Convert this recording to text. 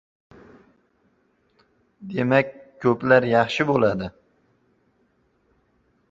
Demak, ko‘pkari yaxshi bo‘ladi.